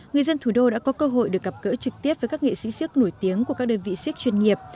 người dân thủ đô đã có cơ hội được gặp gỡ trực tiếp với các nghệ sĩ siếc nổi tiếng của các đơn vị siếc chuyên nghiệp